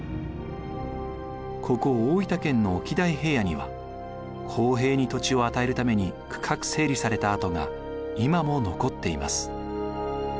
ここ大分県の沖代平野には公平に土地を与えるために区画整理された跡が今も残っています。